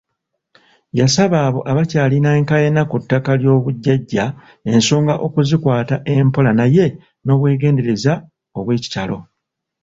Yasaba abo abakyalina enkaayana ku ttaka ly'obujjajja ensonga okuzikwata empola naye n'obwegendereza obwekitalo.